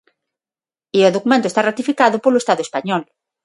E o documento está ratificado polo Estado español.